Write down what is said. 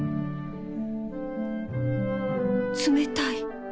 冷たい